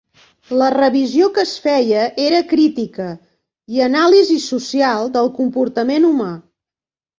La revisió que es feia era crítica i anàlisi social del comportament humà.